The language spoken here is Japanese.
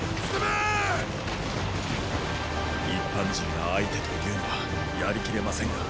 一般人が相手というのはやりきれませんが。